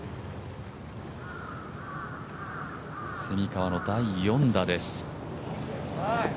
蝉川の第４打です。